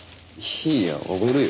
いいよおごるよ。